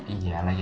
iya lah ya